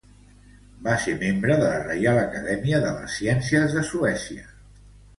Va ser membre de la Reial Acadèmia de les Ciències de Suècia.